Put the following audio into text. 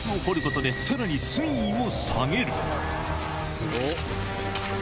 すごっ！